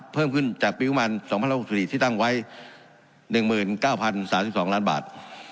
เพิ่มขึ้นจากปีประมาณ๒๐๖๔ที่ตั้งไว้๑๙๐๓๒ล้านบาท